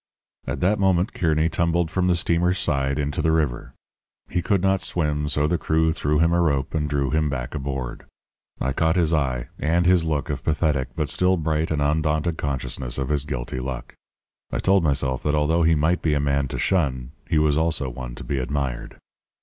"At that moment Kearny tumbled from the steamer's side into the river. He could not swim, so the crew threw him a rope and drew him back aboard. I caught his eye and his look of pathetic but still bright and undaunted consciousness of his guilty luck. I told myself that although he might be a man to shun, he was also one to be admired.